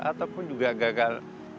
ataupun juga gagal